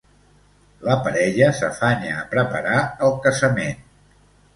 La parella s'afanya a preparar el casament.